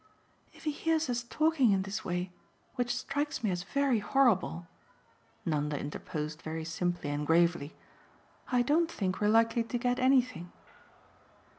"If he hears us talking in this way, which strikes me as very horrible," Nanda interposed very simply and gravely, "I don't think we're likely to get anything."